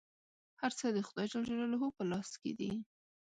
هر څه د خدای په لاس کي دي .